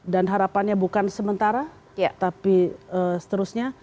dan harapannya bukan sementara tapi seterusnya